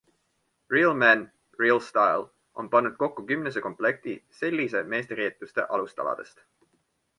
Real Men Real Style on pannud kokku kümnese komplekti sellise meesteriietuse alustaladest.